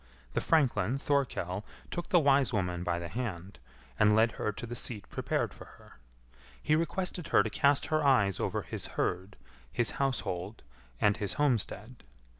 The franklin Thorkell took the wise woman by the hand, and led her to the seat prepared for her. He requested her to cast her eyes over his herd, his household, and his homestead.